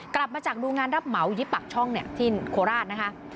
กลับมาจากดูงานรับเหมายิปักช่องเนี่ยที่โคราชนะคะ